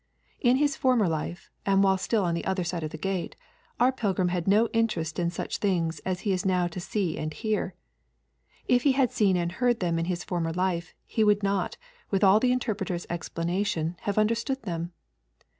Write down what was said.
In his former life, and while still on the other side of the gate, our pilgrim had no interest in such things as he is now to see and hear; and if he had seen and heard them in his former life, he would not, with all the Interpreter's explanation, have understood them.